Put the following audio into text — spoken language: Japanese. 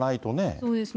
そうですね。